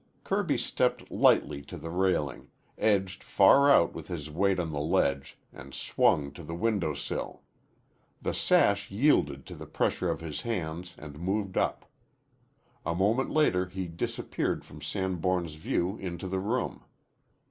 Kirby stepped lightly to the railing, edged far out with his weight on the ledge, and swung to the window sill. The sash yielded to the pressure of his hands and moved up. A moment later he disappeared from Sanborn's view into the room.